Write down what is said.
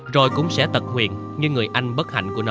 rồi cũng sẽ tật nguyền như người anh bất hạnh của nó